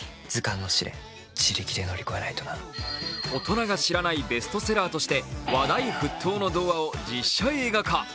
大人が知らないベストセラーとして話題沸騰の童話を実写映画化。